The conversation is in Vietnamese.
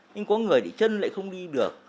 nhưng có người thì chân lại không đi được